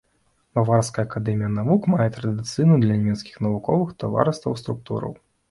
Баварская акадэмія навук мае традыцыйную для нямецкіх навуковых таварыстваў структуру.